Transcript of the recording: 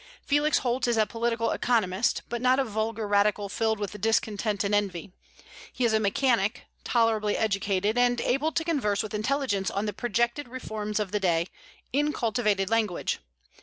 Felix Holt is a political economist, but not a vulgar radical filled with discontent and envy. He is a mechanic, tolerably educated, and able to converse with intelligence on the projected reforms of the day, in cultivated language.